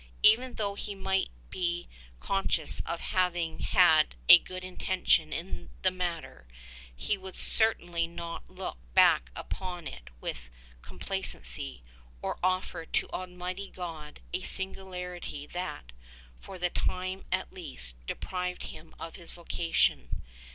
Even though he might be con scious of having had a good intention in the matter, he would certainly not look back upon it with complacency, or offer to Almighty God a singularity that, for the time at least, deprived him of his vocation.